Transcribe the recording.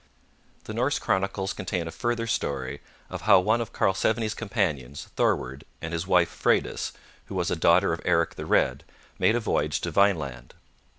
The Norse chronicles contain a further story of how one of Karlsevne's companions, Thorward, and his wife Freydis, who was a daughter of Eric the Red, made a voyage to Vineland.